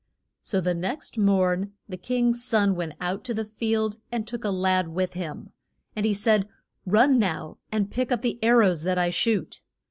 So the next morn the king's son went out to the field, and took a lad with him. And he said, Run now, and pick up the ar rows that I shoot.